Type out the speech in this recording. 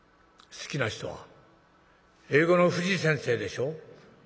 好きな人は英語の藤先生でしょ？」。